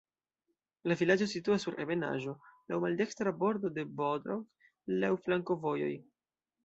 La vilaĝo situas sur ebenaĵo, laŭ maldekstra bordo de Bodrog, laŭ flankovojoj.